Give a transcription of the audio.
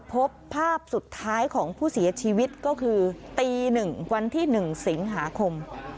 พบภาพสุดท้ายของผู้เสียชีวิตก็คือตี๑วันที่๑สิงหาคม